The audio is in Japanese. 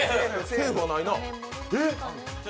セーフはないな。